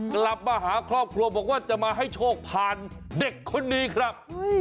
กลับมาหาครอบครัวบอกว่าจะมาให้โชคผ่านเด็กคนนี้ครับ